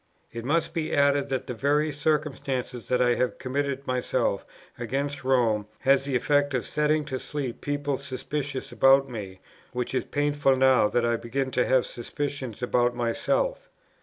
It must be added, that the very circumstance that I have committed myself against Rome has the effect of setting to sleep people suspicious about me, which is painful now that I begin to have suspicions about myself.